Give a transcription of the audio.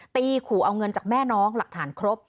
ขู่เอาเงินจากแม่น้องหลักฐานครบ